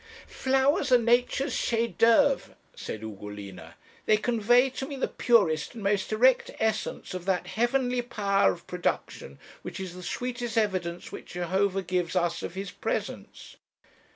'Flowers are Nature's chef d'oeuvre,' said Ugolina; 'they convey to me the purest and most direct essence of that heavenly power of production which is the sweetest evidence which Jehovah gives us of His presence.'